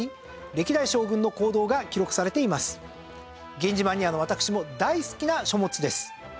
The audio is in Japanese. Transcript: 源氏マニアの私も大好きな書物です。